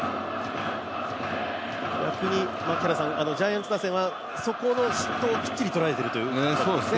ジャイアンツ打線はそこをきっちり捉えているということなんですかね？